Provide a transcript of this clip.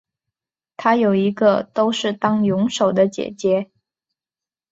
她有一个都是当泳手的姐姐。